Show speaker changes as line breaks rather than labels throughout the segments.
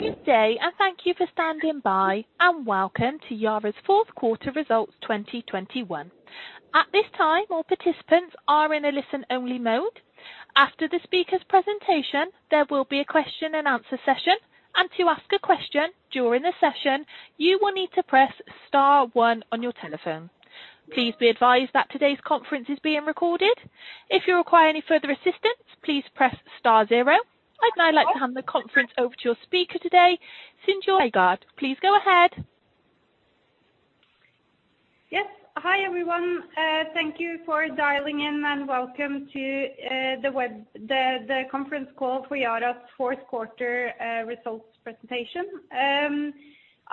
Good day, and thank you for standing by, and welcome to Yara's Fourth Quarter results 2021. At this time, all participants are in a listen-only mode. After the speaker's presentation, there will be a question and answer session. To ask a question during the session, you will need to press star one on your telephone. Please be advised that today's conference is being recorded. If you require any further assistance, please press star zero. I'd now like to hand the conference over to your speaker today, Silje Nygaard. Please go ahead.
Yes. Hi, everyone. Thank you for dialing in, and welcome to the conference call for Yara's Fourth Quarter results presentation.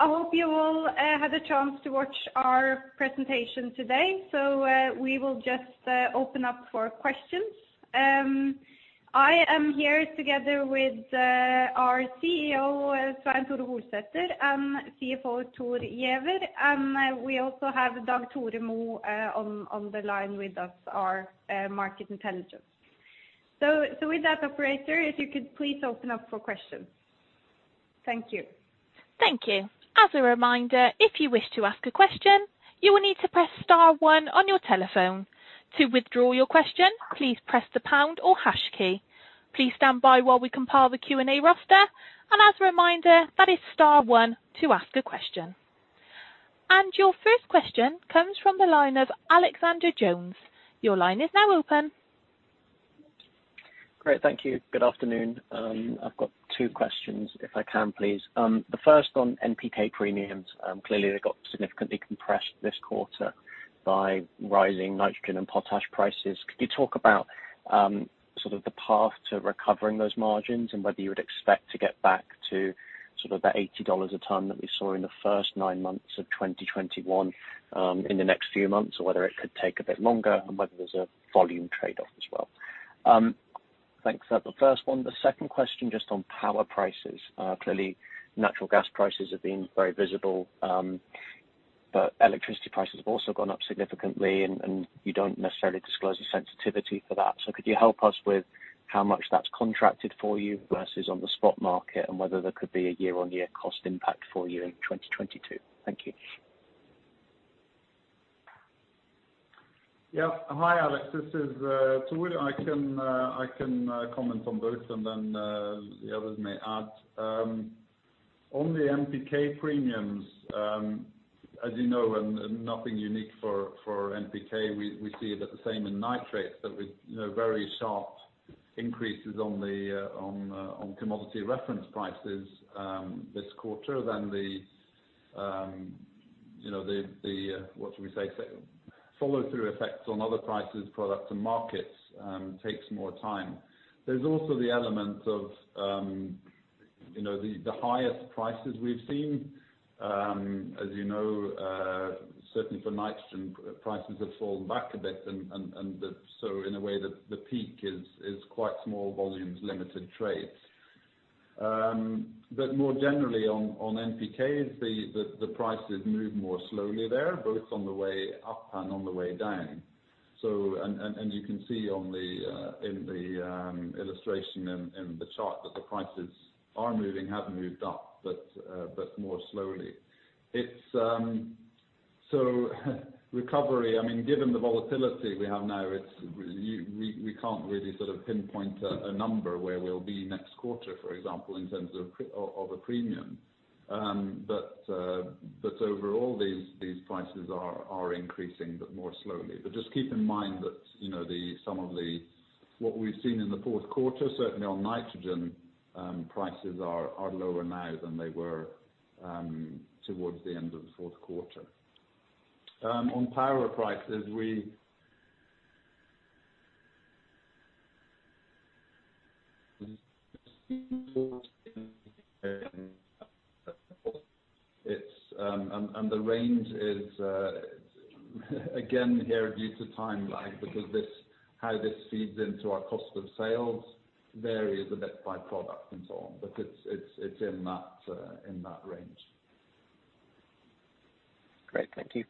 I hope you all had a chance to watch our presentation today. We will just open up for questions. I am here together with our CEO, Svein Tore Holsether, and CFO Thor Giæver. We also have Dag Tore Mo on the line with us, our Market Intelligence. With that, operator, if you could please open up for questions. Thank you.
Thank you. As a reminder, if you wish to ask a question, you will need to press star one on your telephone. To withdraw your question, please press the pound or hash key. Please stand by while we compile the Q&A roster. As a reminder, that is star one to ask a question. Your first question comes from the line of Alex Jones. Your line is now open.
Great. Thank you. Good afternoon. I've got two questions, if I can, please. The first on NPK premiums. Clearly they got significantly compressed this quarter by rising Nitrogen and Potash prices. Could you talk about, sort of the path to recovering those margins and whether you would expect to get back to sort of that $80 a ton that we saw in the first nine months of 2021, in the next few months, or whether it could take a bit longer, and whether there's a volume trade-off as well? Thanks. That's the first one. The second question, just on power prices. Clearly natural gas prices have been very visible, but electricity prices have also gone up significantly and you don't necessarily disclose a sensitivity for that. Could you help us with how much that's contracted for you versus on the spot market and whether there could be a year-on-year cost impact for you in 2022? Thank you.
Yeah. Hi, Alex. This is Thor. I can comment on both and then the others may add. On the NPK premiums, as you know, and nothing unique for NPK, we see it at the same in nitrates that we you know very sharp increases on the commodity reference prices this quarter. The follow-through effects on other prices, products and markets takes more time. There's also the element of you know the highest prices we've seen. As you know, certainly for Nitrogen prices have fallen back a bit and so in a way the peak is quite small volumes, limited trades. More generally on NPK, the prices move more slowly there, both on the way up and on the way down. And you can see in the illustration in the chart that the prices are moving, have moved up, but more slowly. Recovery, I mean, given the volatility we have now, it's we can't really sort of pinpoint a number where we'll be next quarter, for example, in terms of of a premium. Overall these prices are increasing but more slowly. Just keep in mind that, you know, what we've seen in the fourth quarter, certainly on Nitrogen prices are lower now than they were towards the end of the fourth quarter. On power prices, it's, and the range is again here due to timeline, because how this feeds into our cost of sales varies a bit by product and so on. It's in that range.
Great. Thank you.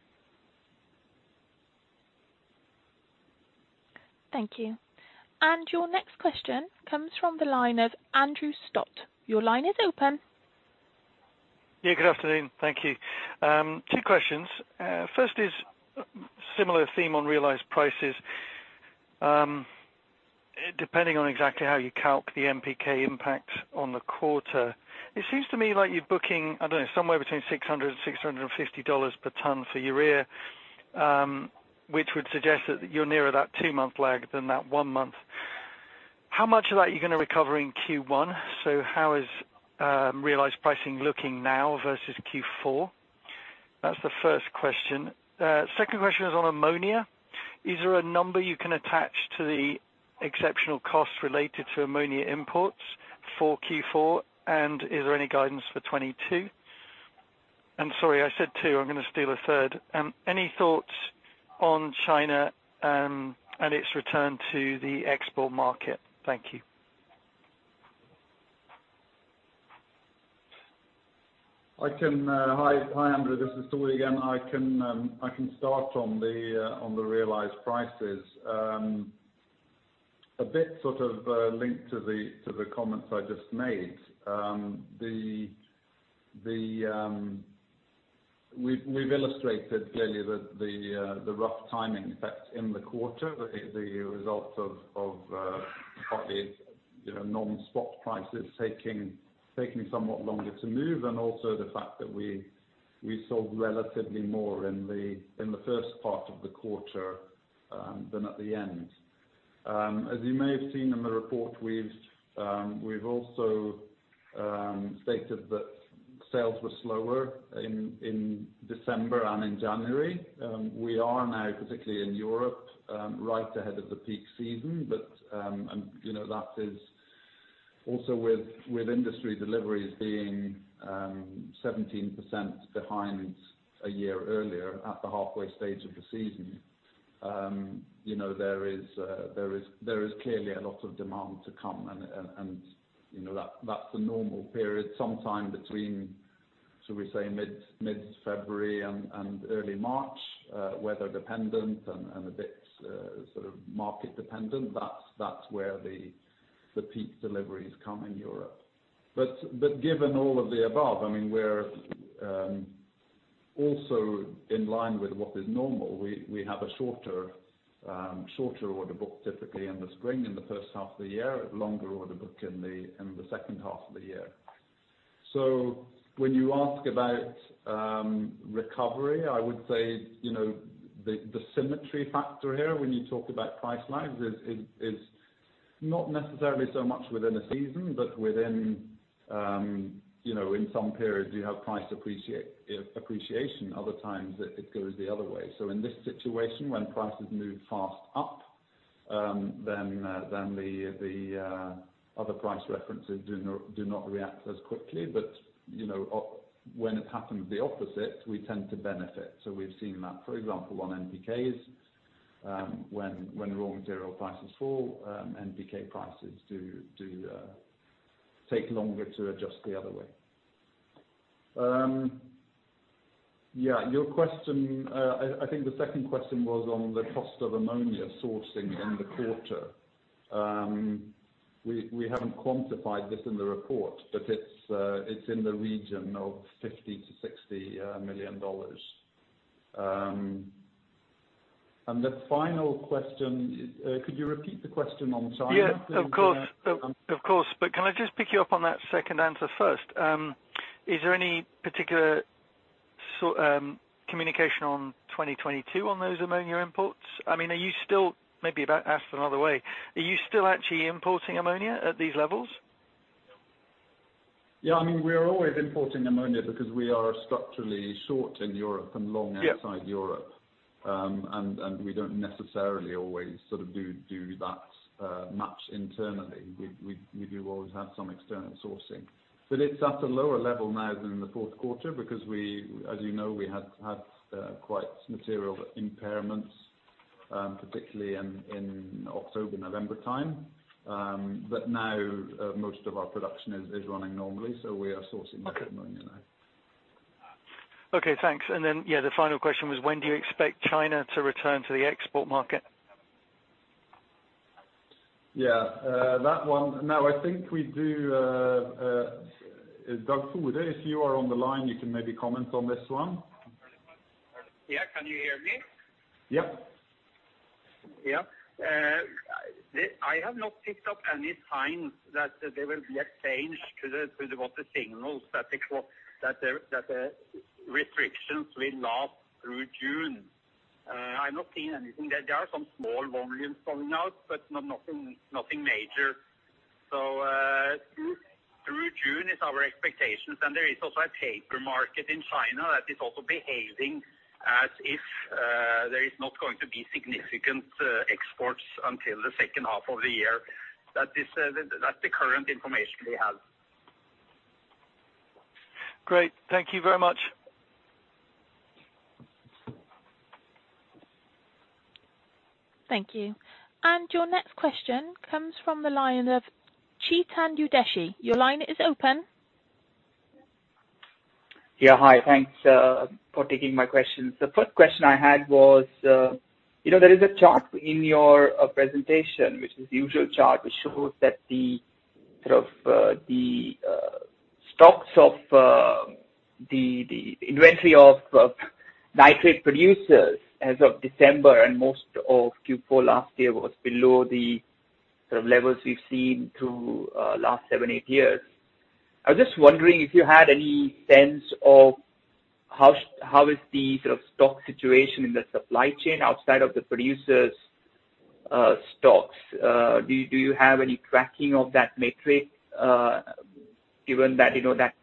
Thank you. Your next question comes from the line of Andrew Stott. Your line is open.
Yeah, good afternoon. Thank you. Two questions. First is similar theme on realized prices. Depending on exactly how you calculate the NPK impact on the quarter, it seems to me like you're booking, I don't know, somewhere between $600 and $650 per ton for Urea, which would suggest that you're nearer that two-month lag than that one month. How much of that are you gonna recover in Q1? How is realized pricing looking now versus Q4? That's the first question. Second question is on Ammonia. Is there a number you can attach to the exceptional costs related to Ammonia imports for Q4? And is there any guidance for 2022? Sorry, I said two, I'm gonna steal a third. Any thoughts on China and its return to the export market? Thank you.
Hi, Andrew. This is Thor Giæver again. I can start on the realized prices. A bit sort of linked to the comments I just made. We've illustrated clearly that the rough timing effect in the quarter is a result of partly, you know, non-spot prices taking somewhat longer to move and also the fact that we sold relatively more in the first part of the quarter than at the end. As you may have seen in the report, we've also stated that sales were slower in December and in January. We are now particularly in Europe right ahead of the peak season, and you know, that is also with industry deliveries being 17% behind a year earlier at the halfway stage of the season. You know, there is clearly a lot of demand to come and, you know, that's the normal period. Sometime between, shall we say, mid-February and early March, weather dependent and a bit sort of market dependent, that's where the peak deliveries come in Europe. Given all of the above, I mean, we're also in line with what is normal. We have a shorter order book typically in the spring in the first half of the year, longer order book in the second half of the year. When you ask about recovery, I would say, you know, the symmetry factor here when you talk about price lags is not necessarily so much within a season, but within you know, in some periods you have price appreciation. Other times it goes the other way. In this situation, when prices move fast up, then the other price references do not react as quickly. You know, when it happens the opposite, we tend to benefit. We've seen that, for example, on NPKs, when raw material prices fall, NPK prices do take longer to adjust the other way. Yeah, your question, I think the second question was on the cost of Ammonia sourcing in the quarter. We haven't quantified this in the report, but it's in the region of $50 million-$60 million. The final question, could you repeat the question on China please?
Yeah, of course. Can I just pick you up on that second answer first? Is there any particular communication on 2022 on those Ammonia imports? I mean, maybe if I ask another way, are you still actually importing Ammonia at these levels?
Yeah. I mean, we are always importing Ammonia because we are structurally short in Europe and long.
Yeah
Outside Europe, we don't necessarily always sort of do that much internally. We do always have some external sourcing. It's at a lower level now than in the fourth quarter because, as you know, we had quite material impairments, particularly in October, November time. Now, most of our production is running normally, so we are sourcing less Ammonia now.
Okay, thanks. Yeah, the final question was: when do you expect China to return to the export market?
Yeah. That one. Now, I think we do, Dag Tore Mo, if you are on the line, you can maybe comment on this one.
Yeah. Can you hear me?
Yeah.
Yeah. I have not picked up any signs that there will be a change to the water signals that the restrictions will last through June. I'm not seeing anything. There are some small volumes coming out, but nothing major. Through June is our expectations, and there is also a paper market in China that is also behaving as if there is not going to be significant exports until the second half of the year. That is the current information we have.
Great. Thank you very much.
Thank you. Your next question comes from the line of Chetan Udeshi. Your line is open.
Yeah, hi. Thanks for taking my questions. The first question I had was, you know, there is a chart in your presentation, which is the usual chart, which shows that the sort of stocks of the inventory of nitrate producers as of December and most of Q4 last year was below the sort of levels we've seen through last seven-eight years. I was just wondering if you had any sense of how the sort of stock situation in the supply chain outside of the producers stocks. Do you have any tracking of that metric, given that, you know, that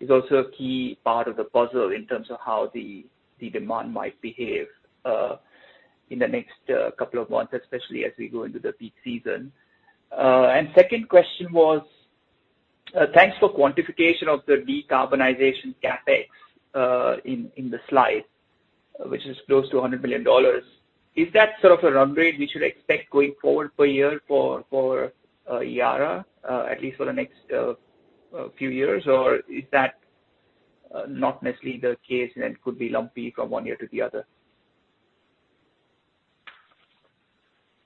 is also a key part of the puzzle in terms of how the demand might behave in the next couple of months, especially as we go into the peak season? Second question was, thanks for quantification of the decarbonization CapEx in the slide, which is close to $100 million. Is that sort of a run rate we should expect going forward per year for Yara, at least for the next few years? Or is that not necessarily the case, and it could be lumpy from one year to the other?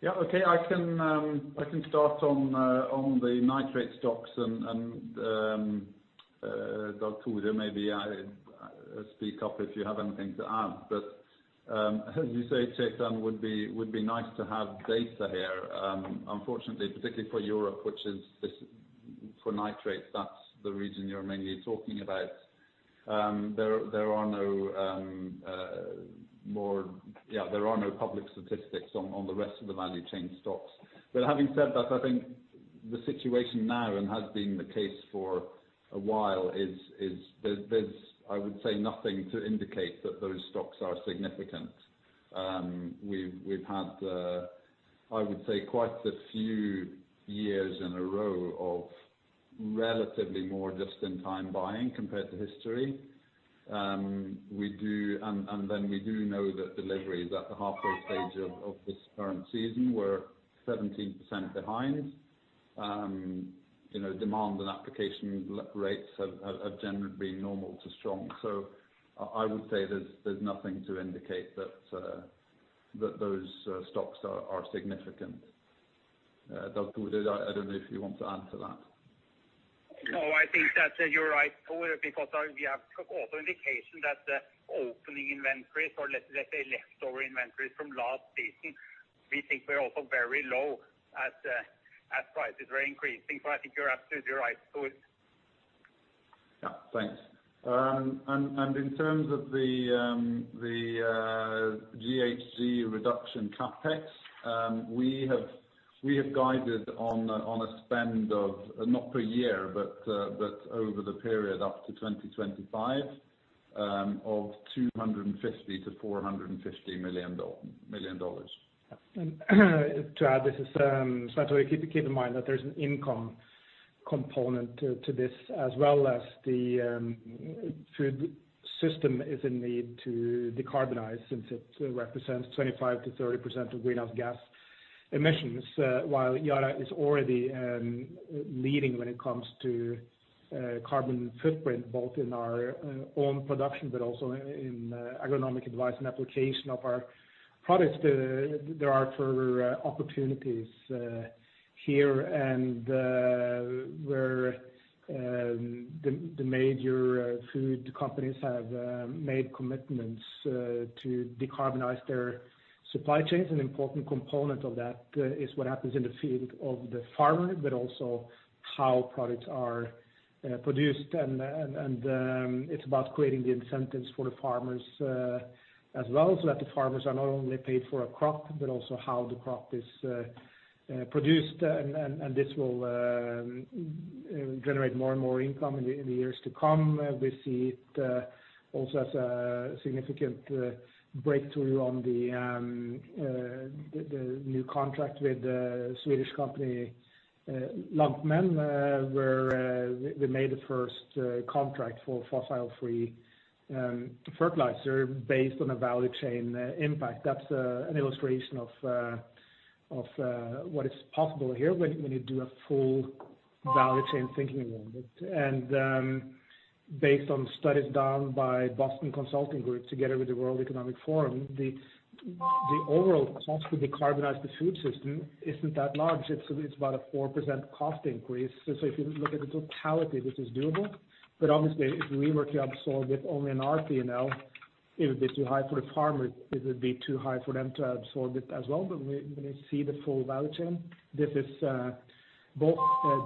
Yeah. Okay. I can start on the nitrate stocks and Dag Tore Mo maybe speak up if you have anything to add. As you say, Chetan, would be nice to have data here. Unfortunately, particularly for Europe, which is for nitrates, that's the region you're mainly talking about. There are no public statistics on the rest of the value chain stocks. Having said that, I think the situation now and has been the case for a while is there's I would say nothing to indicate that those stocks are significant. We've had I would say quite a few years in a row of relatively more just in time buying compared to history. We know that delivery is at the halfway stage of this current season. We're 17% behind. You know, demand and application rates have generally been normal to strong. I would say there's nothing to indicate that those stocks are significant. Dag Tore Mo, I don't know if you want to add to that.
No, I think that you're right, Thor, because we have also indication that the opening inventories or let's say leftover inventories from last season, we think we're also very low as prices were increasing. I think you're absolutely right, Thor.
Yeah, thanks. In terms of the GHG reduction CapEx, we have guided on a spend of not per year, but over the period up to 2025, of $250 million-$450 million.
To add this is actually keep in mind that there's an income component to this as well as the food system needs to decarbonize since it represents 25%-30% of greenhouse gas emissions, while Yara is already leading when it comes to carbon footprint, both in our own production but also in agronomic advice and application of our products. There are further opportunities here and where the major food companies have made commitments to decarbonize their supply chains. An important component of that is what happens in the field of the farmer, but also how products are produced. It's about creating the incentives for the farmers as well, so that the farmers are not only paid for a crop, but also how the crop is produced. This will generate more and more income in the years to come. We see it also as a significant breakthrough on the new contract with the Swedish company Lantmännen, where we made the first contract for fossil free fertilizer based on a value chain impact. That's an illustration of what is possible here when you do a full value chain thinking around it. Based on studies done by Boston Consulting Group together with the World Economic Forum, the overall cost to decarbonize the food system isn't that large. It's about a 4% cost increase. If you look at the totality, this is doable. Obviously, if we were to absorb it only in our P&L, it would be too high for the farmer. It would be too high for them to absorb it as well. When you see the full value chain, this is both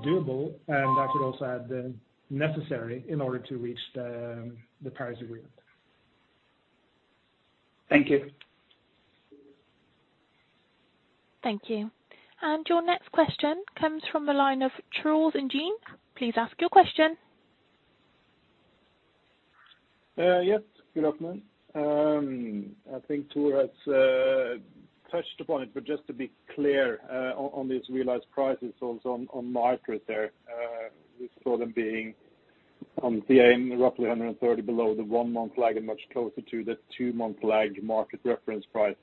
doable, and I should also add the necessary in order to reach the Paris Agreement.
Thank you.
Thank you. Your next question comes from the line of [James]. Please ask your question.
Yes. Good afternoon. I think Thor has touched upon it, but just to be clear, on this realized prices also on nitrate there, we saw them being on the aim roughly 130 below the one-month lag and much closer to the two-month lag market reference price.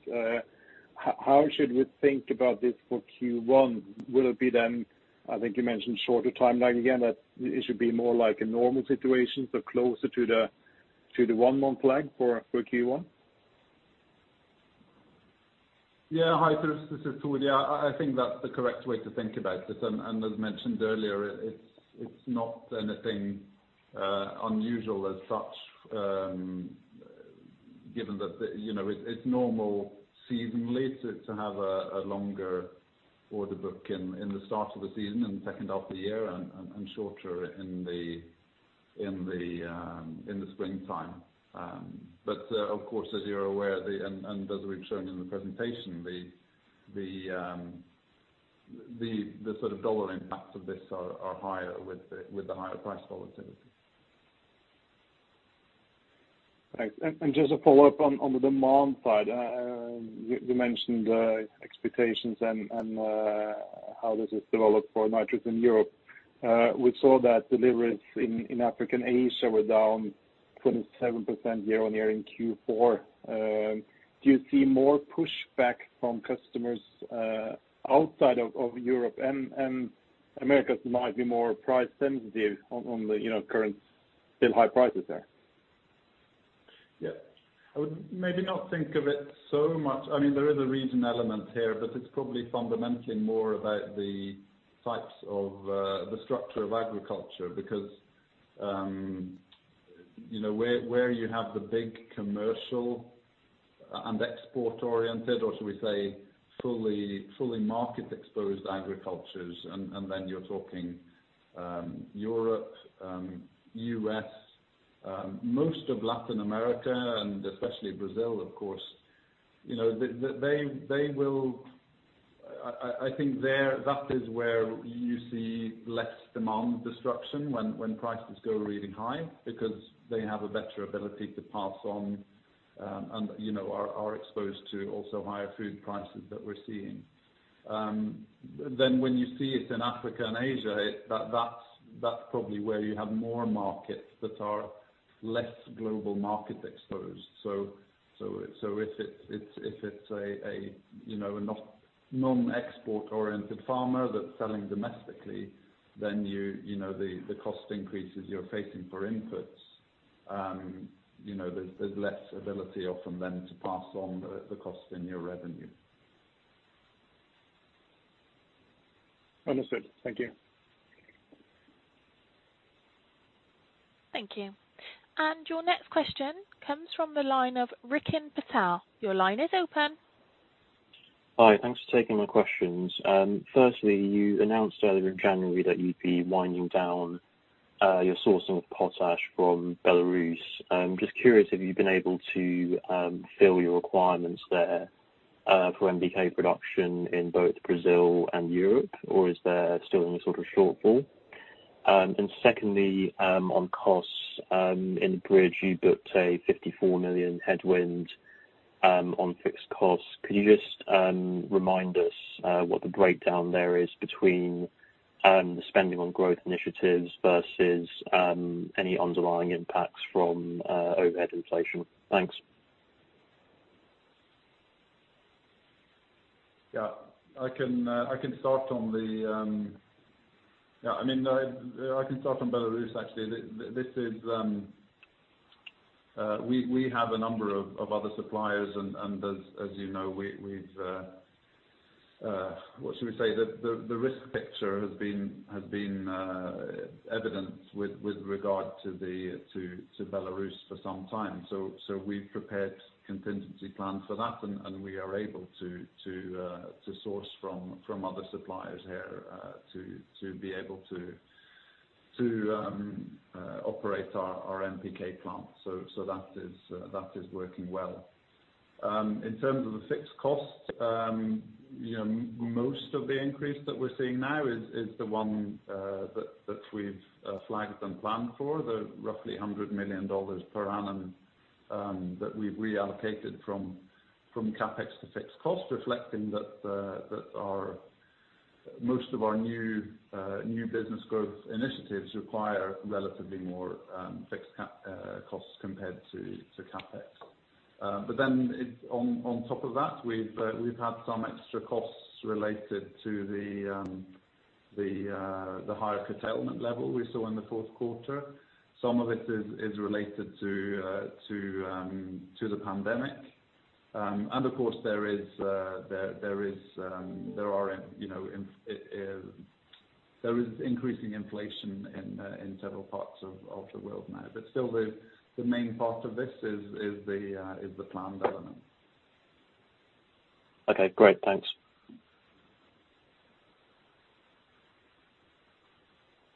How should we think about this for Q1? Will it be then, I think you mentioned shorter timeline again, that it should be more like a normal situation, so closer to the one-month lag for Q1.
Yeah. Hi, this is Thor Giæver. Yeah, I think that's the correct way to think about it. As mentioned earlier, it's not anything unusual as such, given that. You know, it's normal seasonally to have a longer order book in the start of the season and second half of the year and shorter in the springtime. Of course, as you're aware, and as we've shown in the presentation, the sort of dollar impacts of this are higher with the higher price volatility.
Thanks. Just a follow-up on the demand side. You mentioned expectations and how does this develop for nitrates in Europe. We saw that deliveries in Africa and Asia were down 27% year-on-year in Q4. Do you see more pushback from customers outside of Europe and Americas might be more price sensitive on the you know current still high prices there?
Yeah. I would maybe not think of it so much. I mean, there is a region element here, but it's probably fundamentally more about the types of the structure of agriculture because, you know, where you have the big commercial and export oriented or should we say, fully market-exposed agricultures and then you're talking Europe, U.S., most of Latin America and especially Brazil, of course. You know, I think that is where you see less demand destruction when prices go really high because they have a better ability to pass on and you know, are also exposed to higher food prices that we're seeing. When you see it in Africa and Asia, that's probably where you have more markets that are less global market exposed. If it's a non-export-oriented farmer that's selling domestically, then you know the cost increases you're facing for inputs, you know, there's less ability often then to pass on the cost in your revenue.
Understood. Thank you.
Thank you. Your next question comes from the line of Rikin Patel. Your line is open.
Hi. Thanks for taking my questions. Firstly, you announced earlier in January that you'd be winding down your sourcing of Potash from Belarus. I'm just curious, have you been able to fill your requirements there for NPK production in both Brazil and Europe, or is there still any sort of shortfall? Secondly, on costs, in the bridge, you booked a $54 million headwind on fixed costs. Could you just remind us what the breakdown there is between the spending on growth initiatives versus any underlying impacts from overhead inflation? Thanks.
I can start on Belarus actually. We have a number of other suppliers and, as you know, we've, what should we say? The risk picture has been evident with regard to Belarus for some time. We've prepared contingency plans for that and we are able to source from other suppliers here to be able to operate our NPK plant. That is working well. In terms of the fixed cost, you know, most of the increase that we're seeing now is the one that we've flagged and planned for. The roughly $100 million per annum that we've reallocated from CapEx to fixed costs, reflecting that most of our new business growth initiatives require relatively more fixed costs compared to CapEx. It's on top of that, we've had some extra costs related to the higher curtailment level we saw in the fourth quarter. Some of it is related to the pandemic. Of course, there is increasing inflation in several parts of the world now. Still the main part of this is the planned element.
Okay, great. Thanks.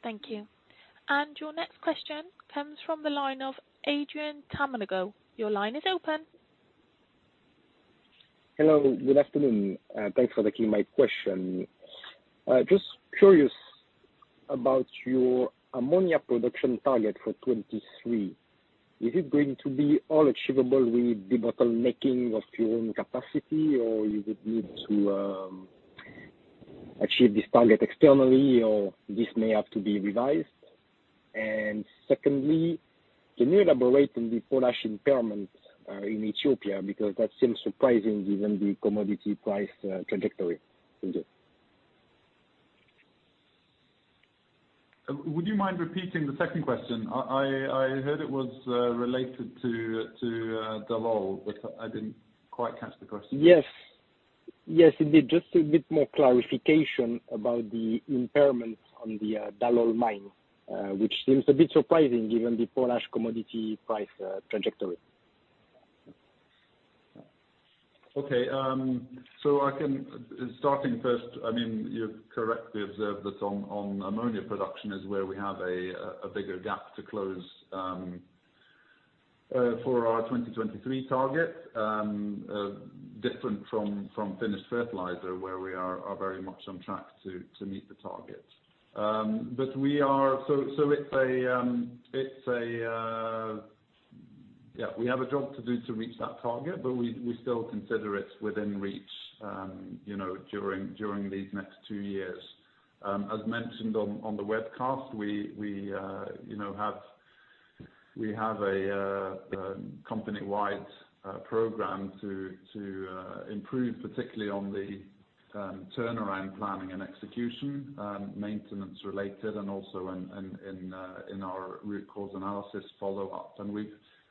Thank you. Your next question comes from the line of [Tamangun]. Your line is open.
Hello, good afternoon. Thanks for taking my question. Just curious about your Ammonia production target for 2023. Is it going to be all achievable with the bottlenecking of your own capacity or you would need to achieve this target externally or this may have to be revised? Secondly, can you elaborate on the Potash impairment in Ethiopia because that seems surprising given the commodity price trajectory. Thank you.
Would you mind repeating the second question? I heard it was related to Dallol, but I didn't quite catch the question.
Yes. Yes, indeed. Just a bit more clarification about the impairment on the Dallol mine, which seems a bit surprising given the Potash commodity price trajectory.
Starting first, I mean, you've correctly observed that on Ammonia production is where we have a bigger gap to close for our 2023 target. Different from finished fertilizer where we are very much on track to meet the target. Yeah, we have a job to do to reach that target, but we still consider it within reach, you know, during these next two years. As mentioned on the webcast, we have a company-wide program to improve, particularly on the turnaround planning and execution, maintenance related and also in our root cause analysis follow-up.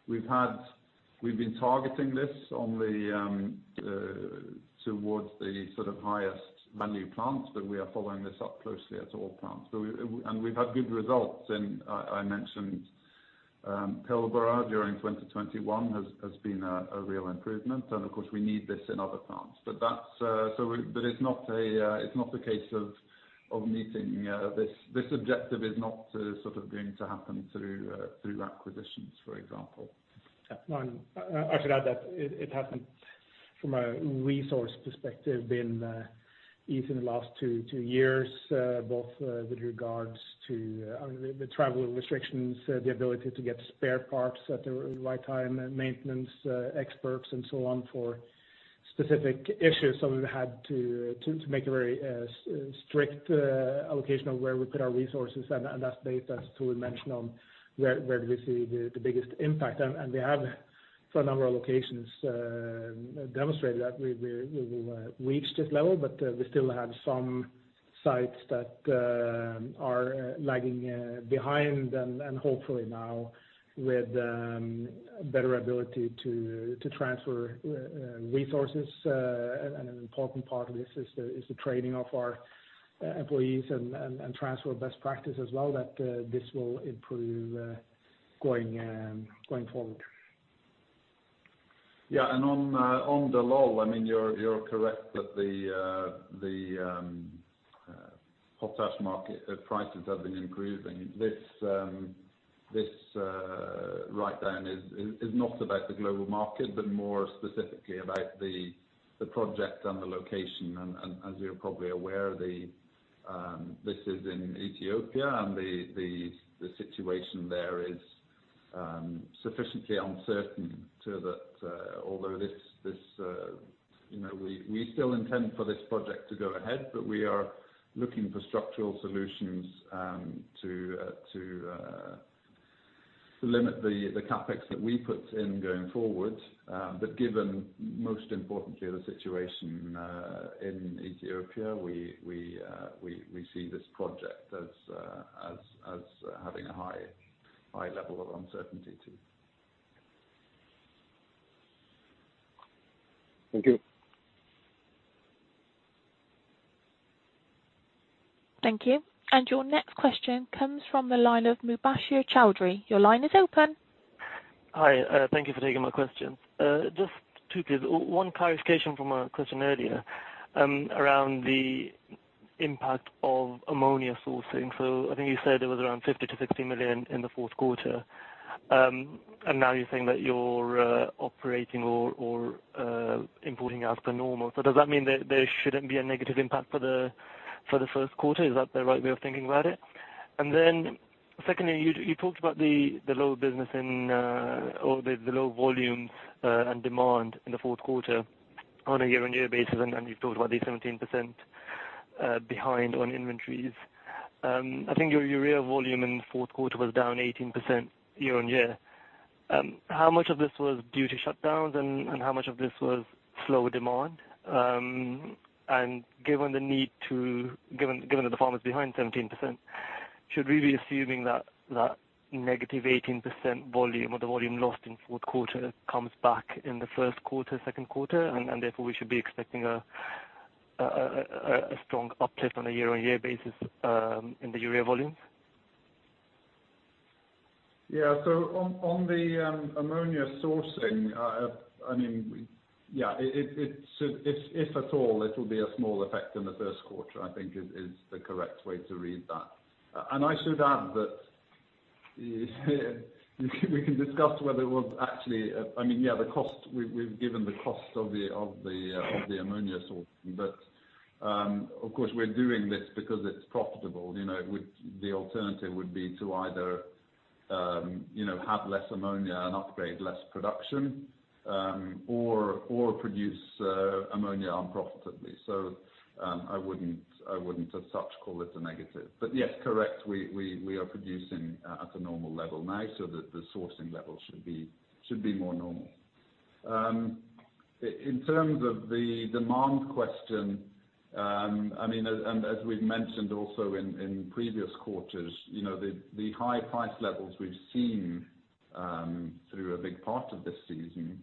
We've been targeting this towards the sort of highest value plants, but we are following this up closely at all plants. We've had good results, and I mentioned Pilbara during 2021 has been a real improvement. Of course, we need this in other plants. But it's not the case of meeting this objective. This objective is not sort of going to happen through acquisitions, for example.
Yeah. No, I should add that it hasn't, from a resource perspective, been easy in the last two years, both with regards to, I mean, the travel restrictions, the ability to get spare parts at the right time and maintenance experts and so on, for specific issues. We've had to make a very strict allocation of where we put our resources. As Thor mentioned, on where we see the biggest impact. We have for a number of locations demonstrated that we reached this level, but we still have some sites that are lagging behind. Hopefully now with better ability to transfer resources. An important part of this is the training of our employees and transfer best practice as well, that this will improve going forward.
Yeah. On Dallol, I mean, you're correct that the Potash market prices have been improving. This write down is not about the global market, but more specifically about the project and the location. As you're probably aware, this is in Ethiopia and the situation there is sufficiently uncertain to that. Although you know we still intend for this project to go ahead, but we are looking for structural solutions to limit the CapEx that we put in going forward. Given most importantly the situation in Ethiopia, we see this project as having a high level of uncertainty too.
Thank you.
Thank you. Your next question comes from the line of Mubashir Chowdhury. Your line is open.
Hi. Thank you for taking my questions. Just two please. One clarification from a question earlier, around the impact of Ammonia sourcing. I think you said it was around $50 million-$60 million in the fourth quarter. Now you're saying that you're operating or importing as per normal. Does that mean that there shouldn't be a negative impact for the first quarter? Is that the right way of thinking about it? Then secondly, you talked about the low business or the low volumes and demand in the fourth quarter on a year-on-year basis, and you talked about the 17% behind on inventories. I think your Urea volume in the fourth quarter was down 18% year-on-year. How much of this was due to shutdowns and how much of this was slow demand? Given that the farm is behind 17%, should we be assuming that that -18% volume or the volume lost in fourth quarter comes back in the first quarter, second quarter, and therefore we should be expecting a strong uptick on a year-on-year basis in the Urea volumes?
Yeah. On the Ammonia sourcing, I mean, yeah, it if at all, it'll be a small effect in the first quarter I think is the correct way to read that. I should add that we can discuss whether it was actually. I mean, yeah, the cost, we've given the cost of the Ammonia source. Of course we're doing this because it's profitable. You know, with the alternative would be to either, you know, have less Ammonia and upgrade less production, or produce Ammonia unprofitably. I wouldn't as such call it a negative. Yes, correct, we are producing at a normal level now so that the sourcing level should be more normal. In terms of the demand question, I mean, as we've mentioned also in previous quarters, you know, the high price levels we've seen through a big part of this season,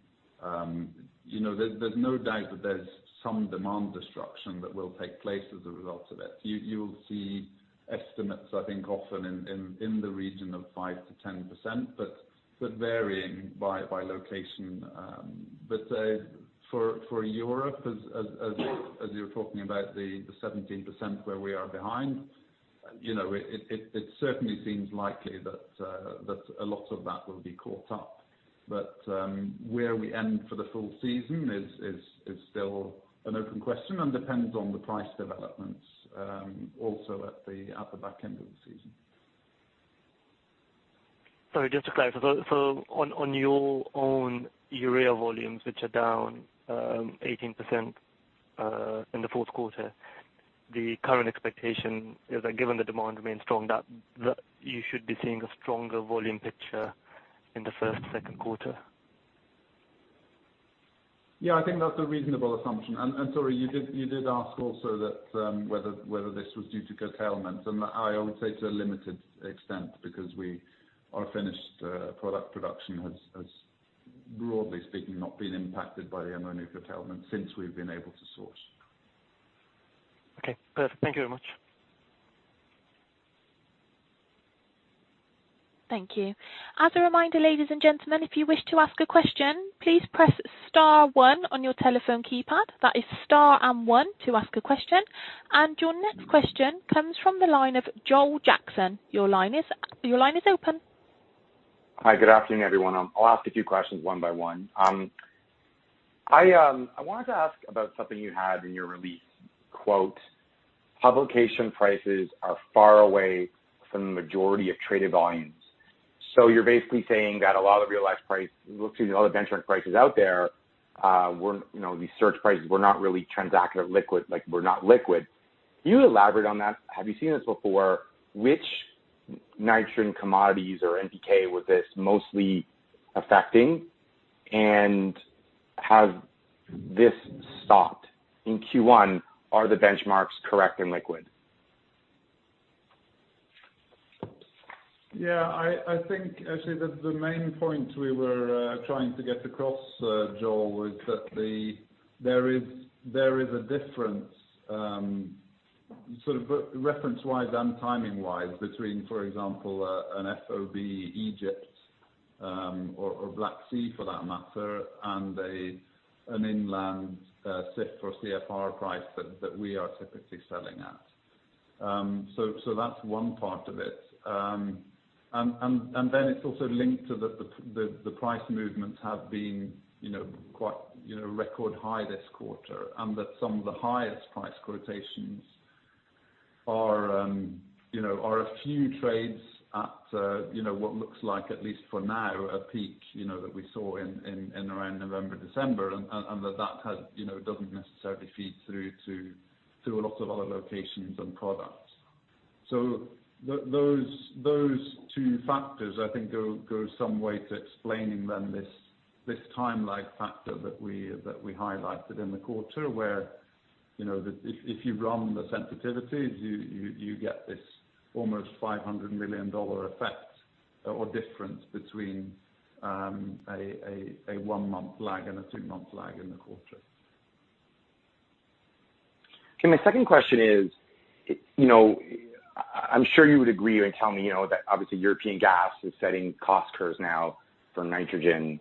you know, there's no doubt that there's some demand destruction that will take place as a result of it. You'll see estimates, I think often in the region of 5%-10%, but varying by location. For Europe as you're talking about the 17% where we are behind. You know, it certainly seems likely that a lot of that will be caught up. Where we end for the full season is still an open question and depends on the price developments, also at the back end of the season.
Sorry, just to clarify. On your own Urea volumes, which are down 18% in the fourth quarter, the current expectation is that given the demand remains strong, you should be seeing a stronger volume picture in the first, second quarter.
Yeah, I think that's a reasonable assumption. Sorry, you did ask also that whether this was due to curtailment, and I would say to a limited extent because our finished product production has broadly speaking not been impacted by the Ammonia curtailment since we've been able to source.
Okay, perfect. Thank you very much.
Thank you. As a reminder, ladies and gentlemen, if you wish to ask a question, please press star one on your telephone keypad. That is star and one to ask a question. Your next question comes from the line of Joel Jackson. Your line is open.
Hi, good afternoon, everyone. I'll ask a few questions one by one. I wanted to ask about something you had in your release. Quote, "Publication prices are far away from the majority of traded volumes." You're basically saying that a lot of benchmark prices out there, excuse me, were these spot prices were not really transacted liquid, were not liquid. Can you elaborate on that? Have you seen this before? Which nitrogen commodities or NPK was this mostly affecting? Has this stopped in Q1? Are the benchmarks correct and liquid?
Yeah, I think actually the main point we were trying to get across, Joel, was that there is a difference sort of reference-wise and timing-wise between, for example, an FOB Egypt, or Black Sea for that matter, and an inland CIF or CFR price that we are typically selling at. So that's one part of it. It's also linked to the price movements have been, you know, quite, you know, record high this quarter, and that some of the highest price quotations are, you know, a few trades at, you know, what looks like, at least for now, a peak, you know, that we saw in around November, December, and that has, you know, doesn't necessarily feed through to a lot of other locations and products. Those two factors I think go some way to explaining this time lag factor that we highlighted in the quarter, where, you know, if you run the sensitivities, you get this almost $500 million effect or difference between a one-month lag and a two-month lag in the quarter.
Okay. My second question is, you know, I'm sure you would agree and tell me, you know, that obviously European gas is setting cost curves now for nitrogen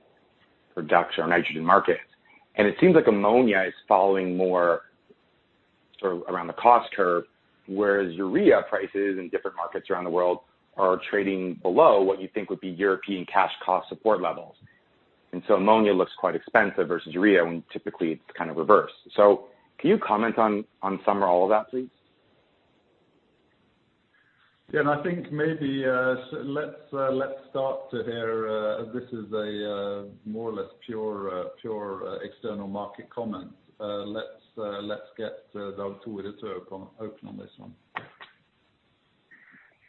production or nitrogen markets, and it seems like Ammonia is following more sort of around the cost curve, whereas Urea prices in different markets around the world are trading below what you think would be European cash cost support levels. Ammonia looks quite expensive versus Urea, when typically it's kind of reversed. Can you comment on some or all of that, please?
I think maybe let's start to hear. This is a more or less pure external market comment. Let's get Dag Tore to comment on this one.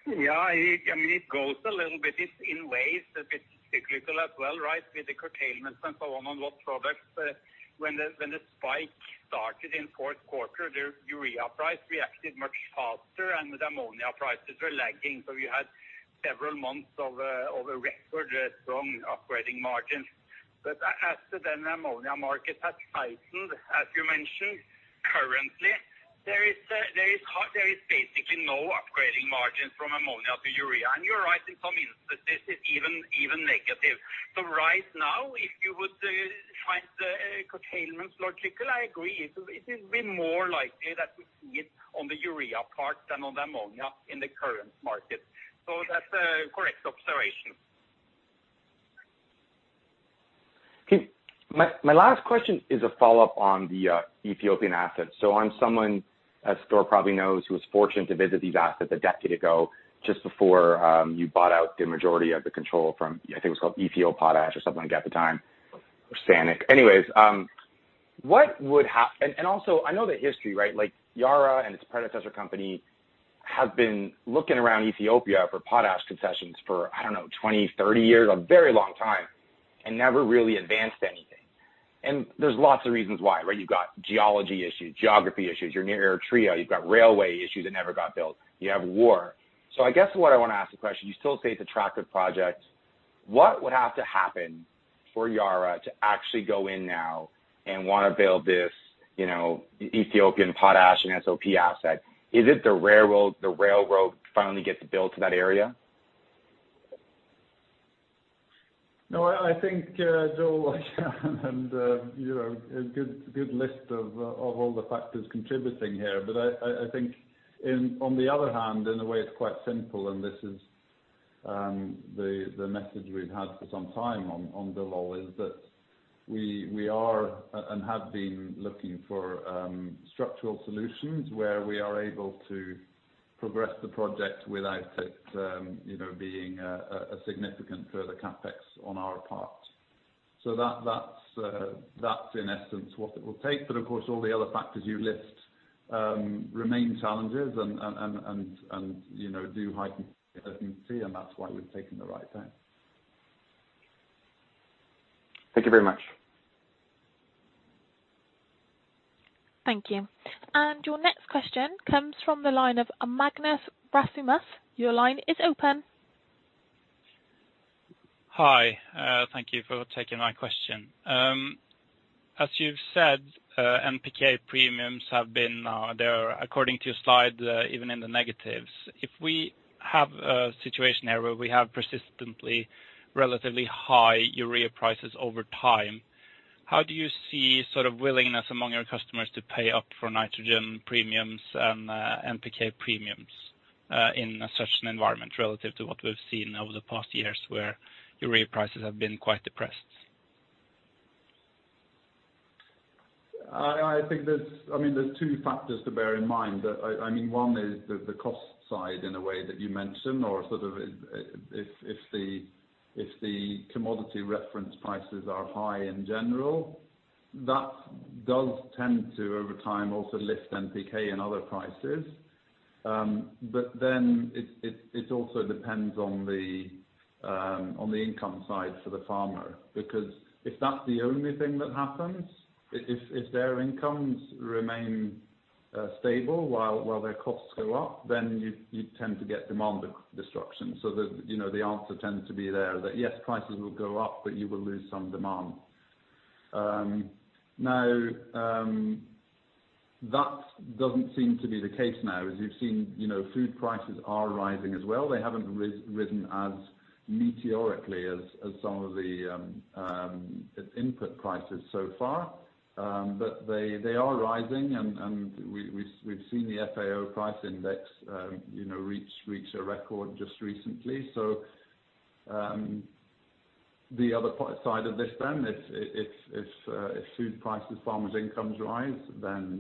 Yeah, I mean, it goes a little bit. It's in ways a bit cyclical as well, right, with the curtailments and so on, a lot of products. When the spike started in fourth quarter, the Urea price reacted much faster, and the Ammonia prices were lagging. We had several months of a record strong upgrading margins. But as the Ammonia market has tightened, as you mentioned. Currently there is basically no upgrading margins from Ammonia to Urea. You're right, in some instances it's even negative. Right now, if you would find the curtailments logical, I agree. It is a bit more likely that we see it on the Urea part than on the Ammonia in the current market. That's a correct observation.
Okay. My last question is a follow-up on the Ethiopian assets. I'm someone, as Thor probably knows, who was fortunate to visit these assets a decade ago, just before you bought out the majority of the control from, I think it was called Ethio-Potash or something like that at the time, or Sainik. Anyways, also, I know the history, right? Like Yara and its predecessor company have been looking around Ethiopia for Potash concessions for, I don't know, 20, 30 years, a very long time, and never really advanced anything. There's lots of reasons why, right? You've got geology issues, geography issues. You're near Eritrea. You've got railway issues that never got built. You have war. I guess what I wanna ask the question, you still say it's attractive project. What would have to happen for Yara to actually go in now and wanna build this, you know, Ethiopian Potash and SOP asset? Is it the railroad, the railroad finally gets built to that area?
No, I think Joel and you know a good list of all the factors contributing here. I think on the other hand, in a way it's quite simple, and this is the message we've had for some time on Dallol is that we are and have been looking for structural solutions where we are able to progress the project without it you know being a significant further CapEx on our part. That's in essence what it will take. Of course, all the other factors you list remain challenges and you know do heighten uncertainty and that's why we've taken the right time.
Thank you very much. Thank you. Your next question comes from the line of Magnus Rasmussen. Your line is open.
Hi, thank you for taking my question. As you've said, NPK premiums have been there according to your slide, even in the negatives. If we have a situation here where we have persistently relatively high Urea prices over time, how do you see sort of willingness among your customers to pay up for nitrogen premiums and, NPK premiums, in such an environment relative to what we've seen over the past years where Urea prices have been quite depressed?
I think there's I mean, there's two factors to bear in mind. That I mean, one is the cost side in a way that you mentioned or sort of if the commodity reference prices are high in general, that does tend to over time also lift NPK and other prices. But then it also depends on the income side for the farmer because if that's the only thing that happens, if their incomes remain stable while their costs go up, then you tend to get demand destruction. You know, the answer tends to be there that yes, prices will go up, but you will lose some demand. Now, that doesn't seem to be the case now as you've seen, you know, food prices are rising as well. They haven't risen as meteorically as some of the input prices so far. They are rising and we've seen the FAO price index, you know, reach a record just recently. The other side of this then if food prices, farmers' incomes rise then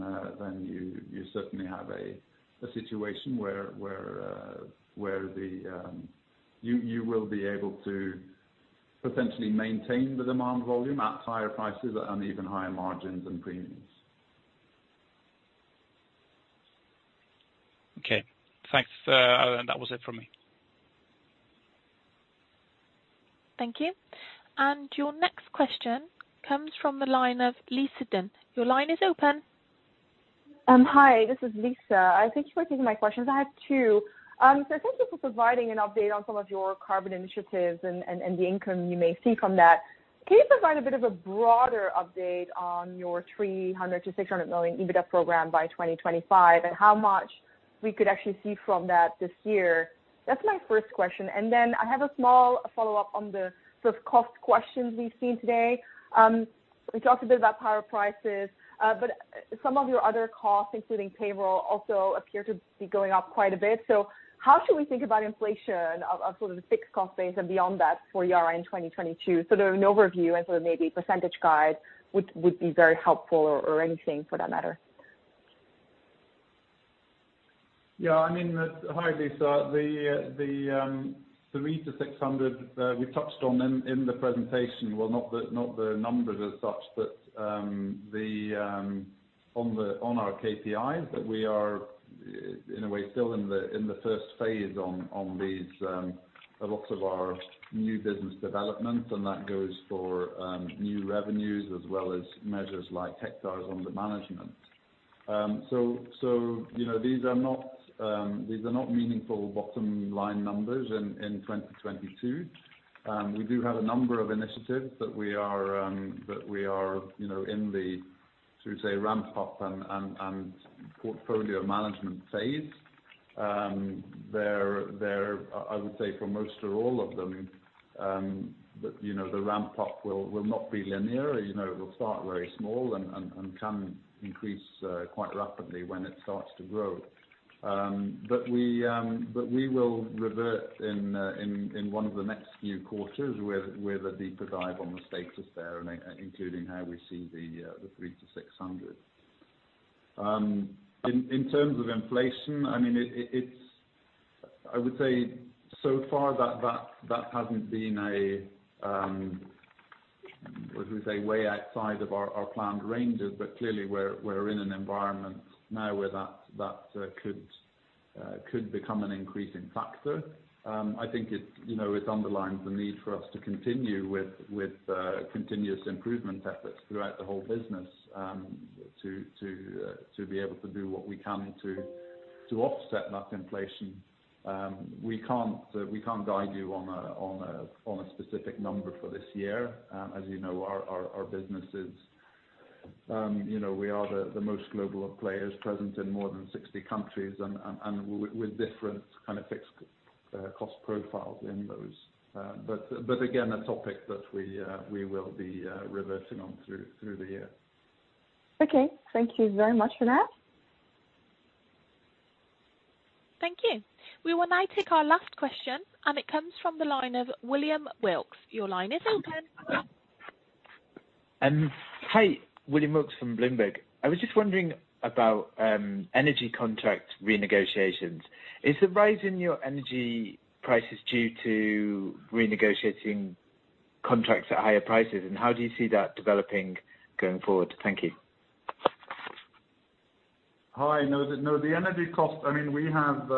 you certainly have a situation where you will be able to potentially maintain the demand volume at higher prices and even higher margins and premiums.
Okay, thanks. That was it from me.
Thank you. Your next question comes from the line of Lisa De Neve. Your line is open.
Hi, this is Lisa. I think you were taking my questions. I have two. So thank you for providing an update on some of your carbon initiatives and the income you may see from that. Can you provide a bit of a broader update on your $300 million-$600 million EBITDA program by 2025, and how much we could actually see from that this year? That's my first question. Then I have a small follow-up on the sort of cost questions we've seen today. We talked a bit about power prices, but some of your other costs, including payroll, also appear to be going up quite a bit. How should we think about inflation of the fixed cost base and beyond that for Yara in 2022? An overview and sort of maybe percentage guide would be very helpful or anything for that matter.
Yeah, I mean, hi Lisa. The 300-600 we touched on in the presentation, well, not the numbers as such, but on our KPIs that we are in a way still in the first phase on these, a lot of our new business development, and that goes for new revenues as well as measures like hectares under management. So you know, these are not meaningful bottom line numbers in 2022. We do have a number of initiatives that we are you know in the should we say ramp up and portfolio management phase. They're, I would say for most or all of them, that you know the ramp up will not be linear. You know, it will start very small and can increase quite rapidly when it starts to grow. We will revert in one of the next few quarters with a deeper dive on the status there, including how we see the 300-600. In terms of inflation, I mean, it's, I would say so far, that hasn't been a way outside of our planned ranges. Clearly we're in an environment now where that could become an increasing factor. I think it, you know, it underlines the need for us to continue with continuous improvement efforts throughout the whole business, to be able to do what we can to offset that inflation. We can't guide you on a specific number for this year. As you know, our business is, you know, we are the most global of players present in more than 60 countries and with different kind of fixed cost profiles in those. Again, a topic that we will be reverting on through the year.
Okay. Thank you very much for that.
Thank you. We will now take our last question, and it comes from the line of William Wilkes. Your line is open.
Hi. William Wilkes from Bloomberg. I was just wondering about energy contract renegotiations. Is the rise in your energy prices due to renegotiating contracts at higher prices? How do you see that developing going forward? Thank you.
Hi. No, the energy cost, I mean, we have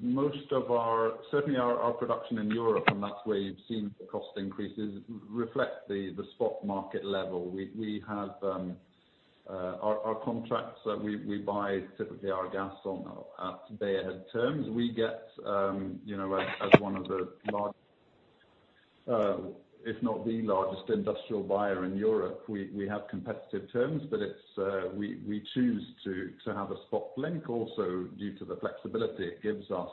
most of our production in Europe, certainly, and that's where you've seen the cost increases reflect the spot market level. We have our contracts that we buy typically are gas on at day ahead terms. We get, you know, as one of the large, if not the largest, industrial buyer in Europe, we have competitive terms, but it's we choose to have a spot link also due to the flexibility it gives us,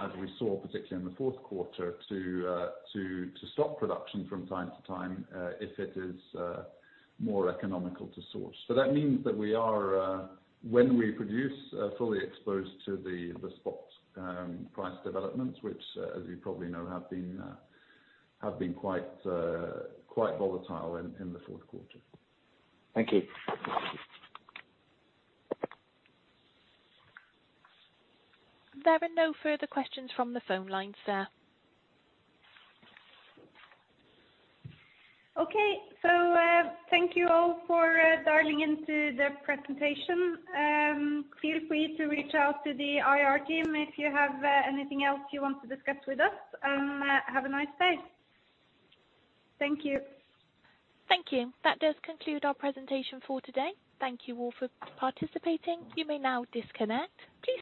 as we saw, particularly in the fourth quarter, to stop production from time to time, if it is more economical to source. That means that we are, when we produce, fully exposed to the spot price developments, which, as you probably know, have been quite volatile in the fourth quarter.
Thank you.
There are no further questions from the phone lines, sir.
Okay. Thank you all for dialing into the presentation. Feel free to reach out to the IR team if you have anything else you want to discuss with us. Have a nice day. Thank you.
Thank you. That does conclude our presentation for today. Thank you all for participating. You may now disconnect. Please.